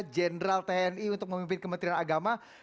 jenderal tni untuk memimpin kementerian agama